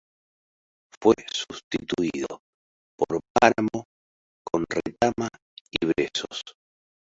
Fue sustituido por páramo con retama y brezos.